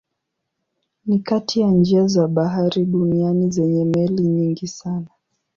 Ni kati ya njia za bahari duniani zenye meli nyingi sana.